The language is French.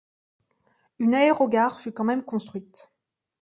Une aérogare fut quand même construite.